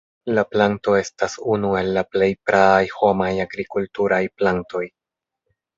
La planto estas unu el la plej praaj homaj agrikulturaj plantoj.